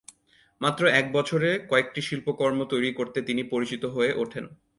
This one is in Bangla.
মাত্র এক বছরে কয়েকটি শিল্পকর্ম তৈরি করতে তিনি পরিচিত হয়ে ওঠেন।